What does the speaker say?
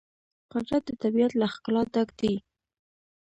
قدرت د طبیعت له ښکلا ډک دی.